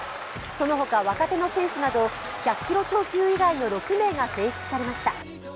そのほか、若手の選手など１００キロ超級以外の６名が選出されました。